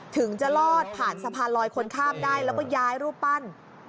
ถึงจะลอดผ่านสะพานลอยคนข้ามได้แล้วก็ย้ายรูปปั้น